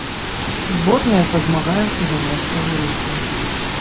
Зборныя пазмагаюцца за месца ў эліце.